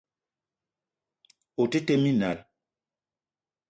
O te tee minal.